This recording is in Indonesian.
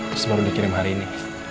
terus baru dikirim hari ini